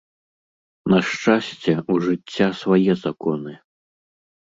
На шчасце, у жыцця свае законы.